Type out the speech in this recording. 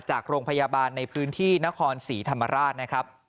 จากโรงพยาบาลในพื้นที่นครสีธรรมราช